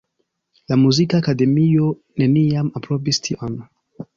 La muzika akademio neniam aprobis tion.